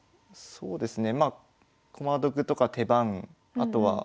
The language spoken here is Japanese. そうですね。